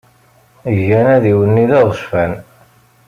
Gan adiwenni d aɣezfan.